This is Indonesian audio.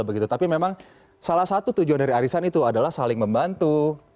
begitu tapi memang salah satu tujuan dari arisan itu adalah saling membantu